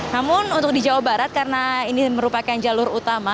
namun untuk di jawa barat karena ini merupakan jalur utama